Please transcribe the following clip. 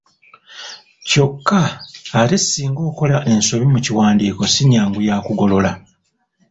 Kyokka ate singa okola ensobi mu kiwandiiko si nnyangu ya kugolola.